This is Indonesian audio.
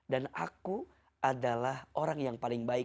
dan aku adalah orang yang paling baik